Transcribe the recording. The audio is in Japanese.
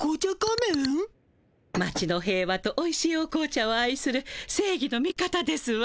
町の平和とおいしいお紅茶を愛する正義の味方ですわ。